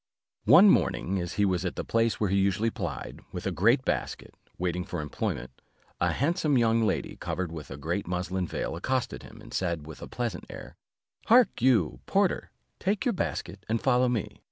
One morning as he was at the place where he usually plyed, with a great basket, waiting for employment, a handsome young lady, covered with a great muslin veil, accosted him, and said with a pleasant air, "Hark you, porter, take your basket and follow me."